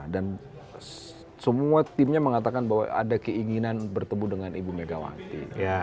semua timnya mengatakan bahwa ada keinginan bertemu dengan ibu megawati